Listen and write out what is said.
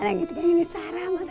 saya tidak mau ke rumah